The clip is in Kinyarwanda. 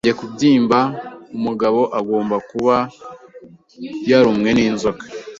Urebye kubyimba, umugabo agomba kuba yarumwe n'inzoka.